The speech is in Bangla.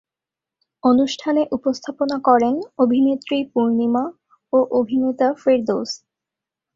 অনুষ্ঠানে উপস্থাপনা করেন অভিনেত্রী পূর্ণিমা ও অভিনেতা ফেরদৌস।